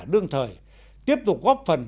đương thời tiếp tục góp phần